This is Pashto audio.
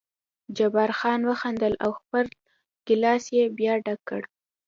جبار خان وخندل او خپل ګیلاس یې بیا ډک کړ.